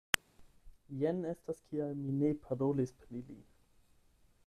Jen estas kial mi ne parolis pri li.